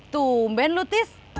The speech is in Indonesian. tumben lu tis